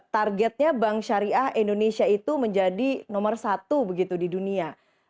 targetnya bank syariah indonesia itu menjadi nomor satu begitu di dunia